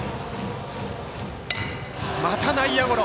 また内野ゴロ。